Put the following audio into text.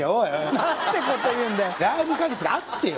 何てこと言うんだよ